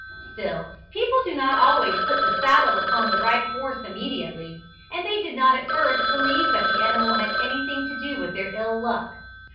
Still, people do not always put the saddle upon the right horse immediately, and they did not at first believe that the animal had anything to do with their ill luck.